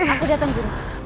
aku datang buru